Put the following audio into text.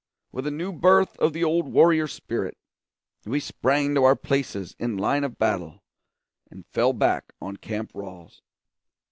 With a new birth of the old warrior spirit, we sprang to our places in line of battle and fell back on Camp Ralls.